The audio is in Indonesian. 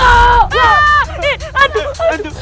aduh aduh aduh